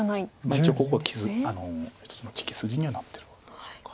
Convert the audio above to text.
一応ここ一つの利き筋にはなってるのでしょうか。